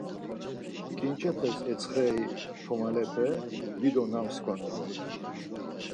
Ǩinçepeşen etsxeri ntomalepe dido namskvanu dort̆un.